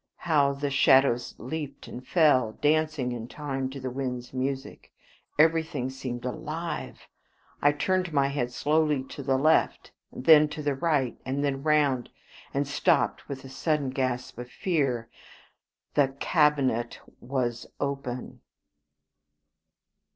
How the shadows leaped and fell, dancing in time to the wind's music. Everything seemed alive. I turned my head slowly to the left, and then to the right, and then round and stopped with a sudden gasp of fear. The cabinet was open!